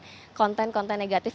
yang dilaporkan konten konten negatif